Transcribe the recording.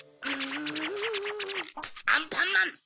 アンパンマン